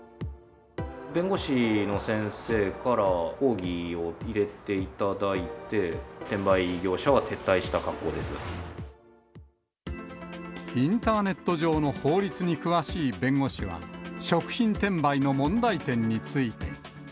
弁護士の先生から抗議を入れていただいて、インターネット上の法律に詳しい弁護士は、食品転売の問題点について。